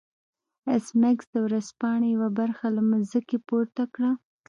ایس میکس د ورځپاڼې یوه برخه له ځمکې پورته کړه